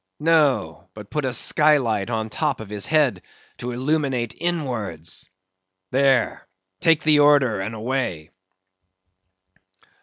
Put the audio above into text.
No, but put a sky light on top of his head to illuminate inwards. There, take the order, and away.